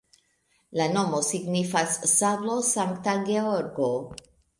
La nomo signifas: sablo-Sankta Georgo.